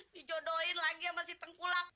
dijodohin lagi sama si tengkulak